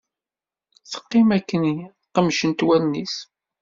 Teqqim akken qemcent wallen-is.